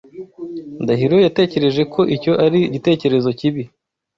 Ndahiro yatekereje ko icyo ari igitekerezo kibi.